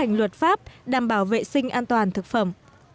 các ngành luật pháp đảm bảo vệ sinh an toàn thực phẩm